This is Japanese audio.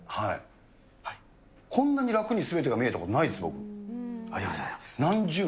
こんなに楽にすべてが見えたことありがとうございます。